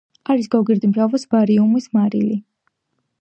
არის გოგირდმჟავას ბარიუმის მარილი.